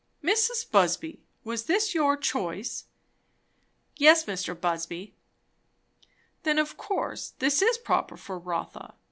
"Mrs. Busby, was this your choice?" "Yes, Mr. Busby." "Then of course this is proper for Rotha.